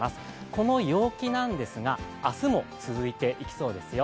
この陽気なんですが、明日も続いていきそうですよ。